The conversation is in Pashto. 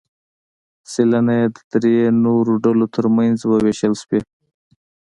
سلنه یې د درې نورو ډلو ترمنځ ووېشل شوې.